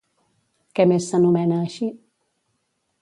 Què més s'anomena així?